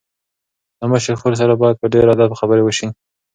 له مشرې خور سره باید په ډېر ادب خبرې وشي.